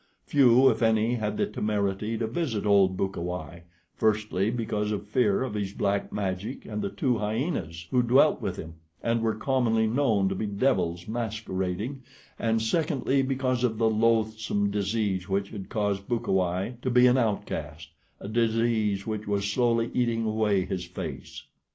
Few, if any, had the temerity to visit old Bukawai, firstly because of fear of his black magic and the two hyenas who dwelt with him and were commonly known to be devils masquerading, and secondly because of the loathsome disease which had caused Bukawai to be an outcast a disease which was slowly eating away his face.